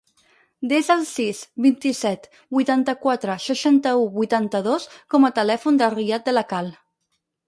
Desa el sis, vint-i-set, vuitanta-quatre, seixanta-u, vuitanta-dos com a telèfon del Riyad De La Cal.